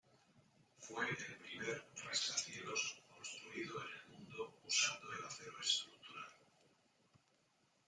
Fue el primer rascacielos construido en el mundo usando el acero estructural.